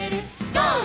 ゴー！」